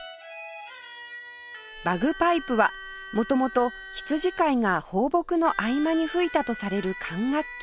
バグパイプは元々羊飼いが放牧の合間に吹いたとされる管楽器